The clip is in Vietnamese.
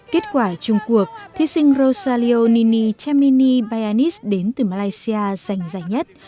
kết quả trung quốc thi sinh rosalio nini chamini bayanis đến từ malaysia giành giải nhất